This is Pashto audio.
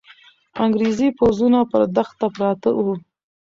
انګریزي پوځونه پر دښته پراته وو.